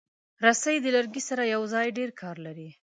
رسۍ د لرګي سره یوځای ډېر کار لري.